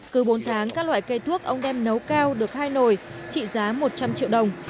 cứ bốn tháng các loại cây thuốc ông đem nấu cao được hai nồi trị giá một trăm linh triệu đồng